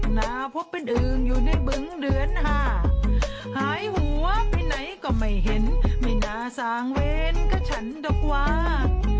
หายหัวไปไหนก็ไม่เห็นไม่น่าสางเว้นก็ฉันดอกวาค